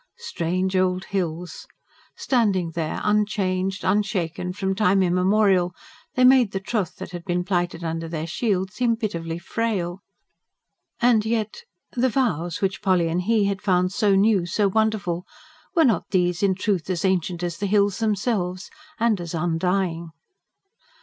Strange old hills! Standing there unchanged, unshaken, from time immemorial, they made the troth that had been plighted under their shield seem pitifully frail. And yet.... The vows which Polly and he had found so new, so wonderful; were not these, in truth, as ancient as the hills themselves, and as undying?